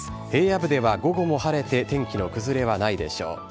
平野部では午後も晴れて天気の崩れはないでしょう。